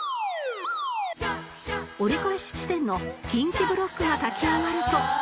折り返し地点の近畿ブロックが炊き上がると